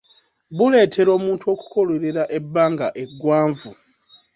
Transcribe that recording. Buleetera omuntu okukololera ebbanga eggwanvu.